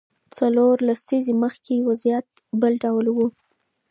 څلور لسیزې مخکې وضعیت بل ډول و.